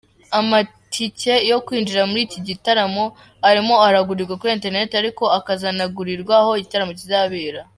Amatikeyo kwinjira muri iki gitaramo arimo aragurirwa kuri internet, ariko akazanagurirwa aho igitaramo kizabera.